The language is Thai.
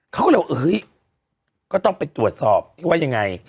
เขาก็เลยว่าเฮ้ยก็ต้องไปตรวจสอบว่ายังไง